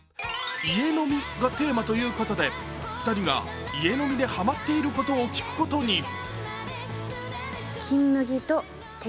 家飲みがテーマということで２人が家飲みでハマっていることを聞くことに。